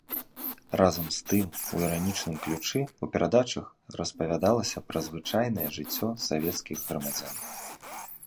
Разам з тым у іранічным ключы ў перадачах распавядалася пра звычайнае жыццё савецкіх грамадзян.